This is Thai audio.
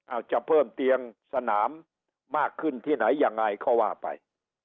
อาจจะเพิ่มเตียงสนามมากขึ้นที่ไหนยังไงก็ว่าไป